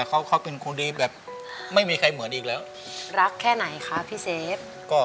ก็เข้าฟ้ามาขยับ